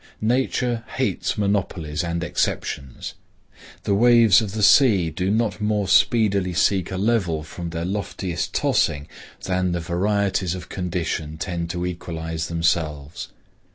Nature hates monopolies and exceptions. The waves of the sea do not more speedily seek a level from their loftiest tossing than the varieties of condition tend to equalize themselves.